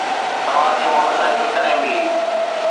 توهان کي موٽرسائيڪل ڪڏهن ملي؟